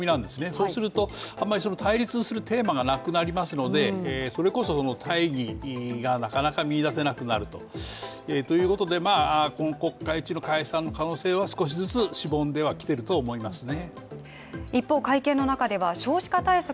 そうすると、あまり対立するテーマがなくなりますので、それこそ大義がなかなか見いだせなくなるということで今国会中の解散の可能性は少しずつしぼんでは来ていると思いますね。